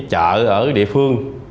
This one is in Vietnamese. chợ ở địa phương